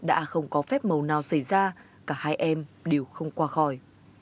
à không có phép màu nào xảy ra cả hai em đều không qua khỏi